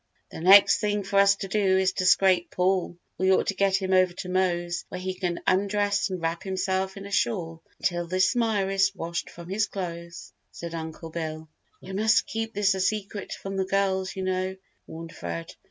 "The next thing for us to do is to scrape Paul. We ought to get him over to Mose where he can undress and wrap himself in a shawl until this mire is washed from his clothes," said Uncle Bill. "We must keep this a secret from the girls, you know," warned Fred.